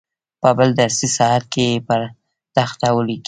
په بل درسي ساعت کې یې پر تخته ولیکئ.